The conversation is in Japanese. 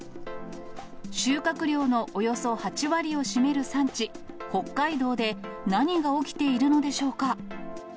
収穫量のおよそ８割を占める産地、北海道で何が起きているのでしょうか。